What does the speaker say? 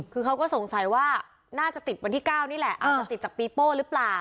คือเขาก็สงสัยว่าน่าจะติดวันที่๙นี่แหละอาจจะติดจากปีโป้หรือเปล่า